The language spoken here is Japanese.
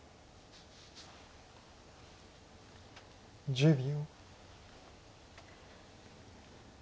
１０秒。